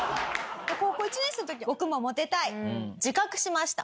高校１年生の時「僕もモテたい」自覚しました。